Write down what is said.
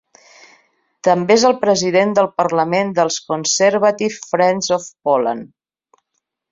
També és el president del parlament dels Conservative Friends of Poland.